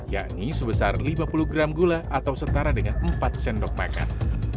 yakni sebesar lima puluh gram gula atau setara dengan empat sendok makan